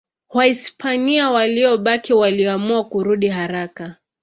Wahispania waliobaki waliamua kurudi haraka.